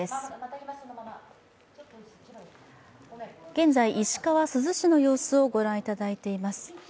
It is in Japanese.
現在、石川珠洲市の様子をご覧いただいています。